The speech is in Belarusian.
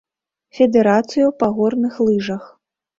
Федэрацыю па горных лыжах.